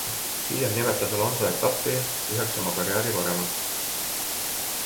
Hiljem nimetas Alonso etappi üheks oma karjääri paremaks.